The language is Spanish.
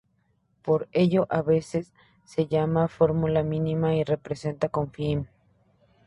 Por ello, a veces, se le llama fórmula mínima y se representa con "fm".